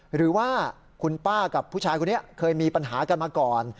หรือว่าคุณป้ากับผู้ชายคนนี้เคยมีปัญหากันมาก่อน